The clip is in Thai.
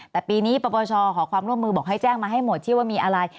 แต่ปีนี้ปปชขอความร่วมมือบอกให้แจ้งมาให้หมดที่ว่ามีอะไร